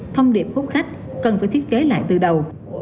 thông điệp khúc khách cần phải thiết kế lại từ đầu